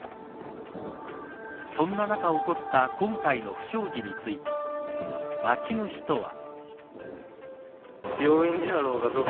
そんな中起こった今回の不祥事について町の人は。